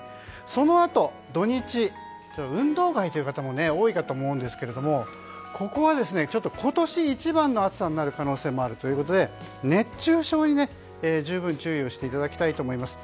そのあと土日、運動会という方も多いと思うんですけどここは今年一番の暑さになる可能性もあるということで熱中症に十分注意をしていただきたいと思います。